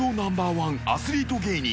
１アスリート芸人